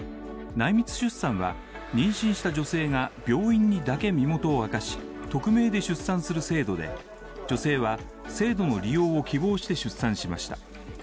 内密出産は妊娠した女性が病院にだけ身元を明かし、匿名で出産する制度で女性は制度の利用を希望して出産しました。